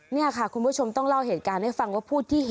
นี่ค่ะคุณผู้ชมต้องเล่าเหตุการณ์ให้ฟังว่าผู้ที่เห็น